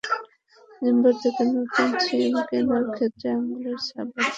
December থেকে নতুন SIM কেনার ক্ষেত্রে আঙুলের ছাপ বাধ্যতামূলক করা হয়েছে।